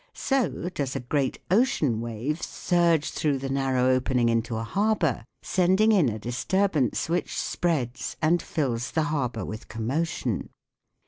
So does a great ocean wave surge through the nar row opening into a harbour, sending in a disturbance which spreads and fills the harbour with commotion.